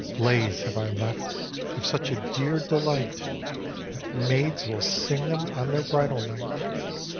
Lays have I left of such a dear delight That maids will sing them on their bridal night.